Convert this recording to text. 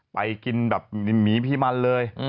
ไปกินแบบหมีพี่มันเลย